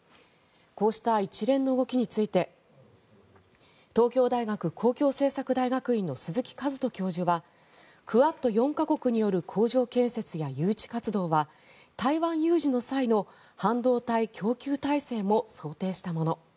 こうした一連の動きについて東京大学公共政策大学院の鈴木一人教授はクアッド４か国による工場建設や誘致活動は台湾有事の際の半導体供給体制も想定したもの。